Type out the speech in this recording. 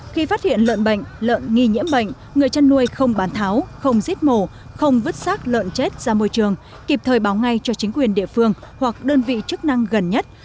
khi phát hiện lợn bệnh lợn nghi nhiễm bệnh người chăn nuôi không bán tháo không giết mổ không vứt sát lợn chết ra môi trường kịp thời báo ngay cho chính quyền địa phương hoặc đơn vị chức năng gần nhất